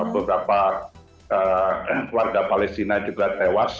beberapa warga palestina juga tewas